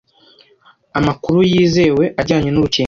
amakuru yizewe ajyanye n’urukingo